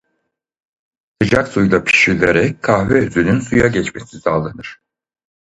Sıcak suyla pişirilerek kahve özünün suya geçmesi sağlanır.